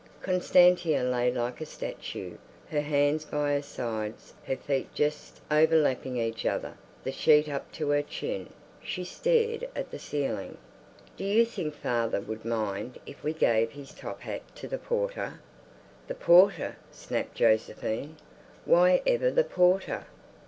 Constantia lay like a statue, her hands by her sides, her feet just overlapping each other, the sheet up to her chin. She stared at the ceiling. "Do you think father would mind if we gave his top hat to the porter?" "The porter?" snapped Josephine. "Why ever the porter?